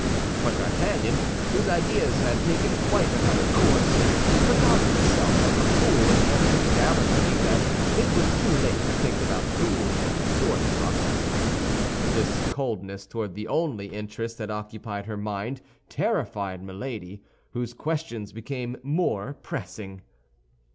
But D'Artagnan, whose ideas had taken quite another course, forgot himself like a fool, and answered gallantly that it was too late to think about duels and sword thrusts. This coldness toward the only interests that occupied her mind terrified Milady, whose questions became more pressing.